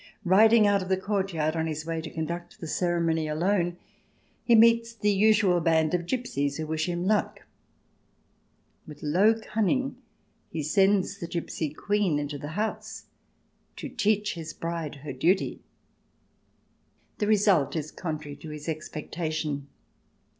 Riding out of the courtyard, on his way to conduct the ceremony alone, he meets the usual band of gipsies, who wish him luck. With low cunning he sends the Gipsy Queen into the house to teach his bride her duty. The result is contrary to his expectation.